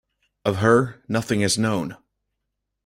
Of her, nothing is known.